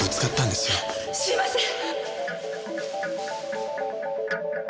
あすいません！